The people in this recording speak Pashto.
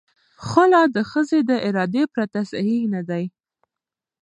خلع د ښځې د ارادې پرته صحیح نه دی.